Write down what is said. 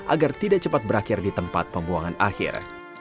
agar tidak cepat berakhir di tempat pembuangan akhir